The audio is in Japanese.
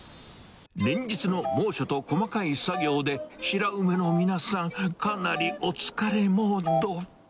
連日の猛暑と細かい作業で、白梅の皆さん、かなりお疲れモード。